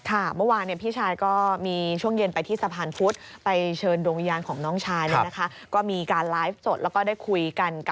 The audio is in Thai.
มาวางพี่ชาย